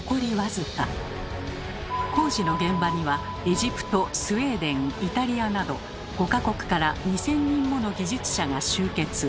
工事の現場にはエジプトスウェーデンイタリアなど５か国から２，０００人もの技術者が集結。